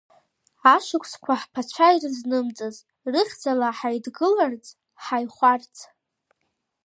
Ашықәсқәа ҳԥацәа ирызнымҵыз, рыхьӡала ҳаидгыларц, ҳаихәарц.